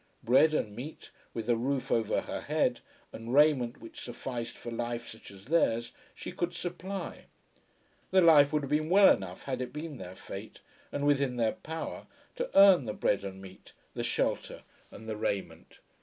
Bread and meat, with a roof over her head, and raiment which sufficed for life such as theirs, she could supply. The life would have been well enough had it been their fate, and within their power, to earn the bread and meat, the shelter and the raiment.